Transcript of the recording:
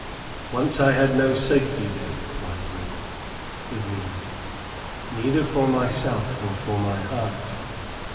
"Once I had no safety there," replied Will, with meaning, "neither for myself nor for my heart.